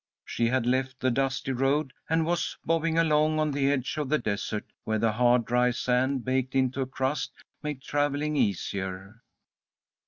She had left the dusty road, and was bobbing along on the edge of the desert, where the hard, dry sand, baked into a crust, made travelling easier.